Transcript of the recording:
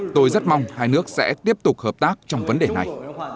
tôi rất mong hai nước sẽ tiếp tục hợp tác trong vấn đề này